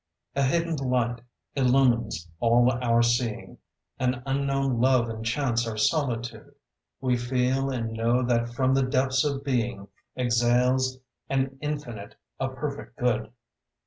A hidden light illumines all our seeing, An unknown love enchants our solitude. We feel and know that from the depths of being Exhales an infinite, a perfect good.